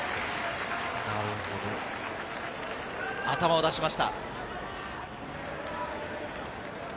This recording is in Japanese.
頭を出しました。